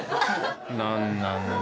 何なんだ